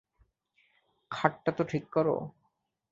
খাট টা তো ঠিক কর।